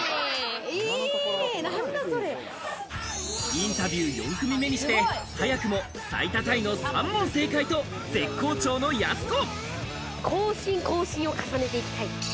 インタビュー４組目にして早くも最多タイの３問正解と絶好調のやす子。